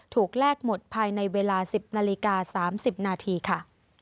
แลกหมดภายในเวลา๑๐นาฬิกา๓๐นาทีค่ะ